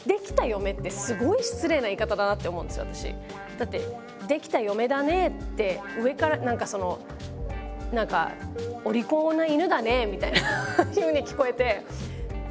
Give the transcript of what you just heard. だって「できた嫁だねえ」って上からなんかそのなんか「お利口な犬だねえ」みたいなふうに聞こえて。